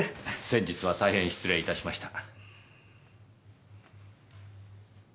先日は大変失礼いたしました。